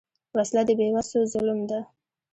وسله د بېوسو ظلم ده